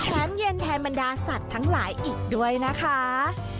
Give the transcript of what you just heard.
เย็นแทนบรรดาสัตว์ทั้งหลายอีกด้วยนะคะ